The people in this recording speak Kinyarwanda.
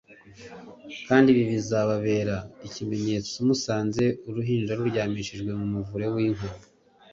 «Kandi ibi bizababera ikimenyetso: muzasanga uruhinja ruryamishijwe mu muvure w'inka.»